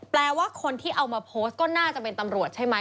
แปลว่าคนที่เอามาโพสต์ก็น่าจะเป็นตำรวจใช่ไหม